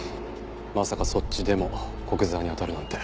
まさかそっちでも古久沢に当たるなんて。